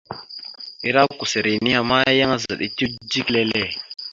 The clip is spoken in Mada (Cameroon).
Ere kousseri nehe ma, yan azaɗ etew dik lele.